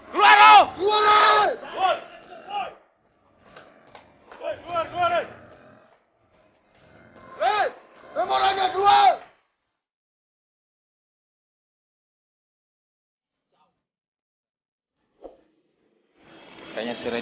keluar dong keluar hei